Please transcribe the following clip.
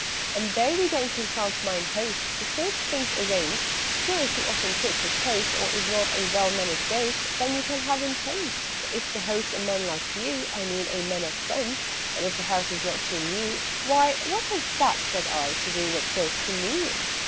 "And, though we don't consult 'Mine Host' Before the thing's arranged, Still, if he often quits his post, Or is not a well mannered Ghost, Then you can have him changed. "But if the host's a man like you I mean a man of sense; And if the house is not too new " "Why, what has that," said I, "to do With Ghost's convenience?"